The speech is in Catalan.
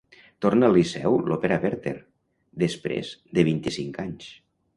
Torna al Liceu l'òpera "Werther" després de vint-i-cinc anys.